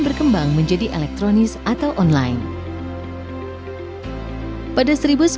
dengan kemampuannya diraja mannequing i greasy pimoo sudah melewati ajf granades selama dua lima juta tahun